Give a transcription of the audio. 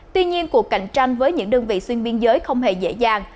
tuy nhiên cuộc cạnh tranh với những đơn vị xuyên biên giới không hề dễ dàng